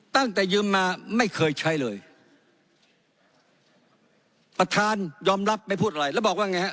ตั้งแต่ยืมมาไม่เคยใช้เลยประธานยอมรับไม่พูดอะไรแล้วบอกว่าไงฮะ